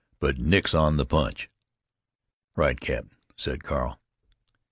But nix on the punch." "Right, Cap'n," said Carl.